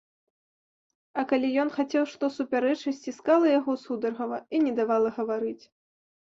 А калі ён хацеў што супярэчыць, сціскала яго сударгава і не давала гаварыць.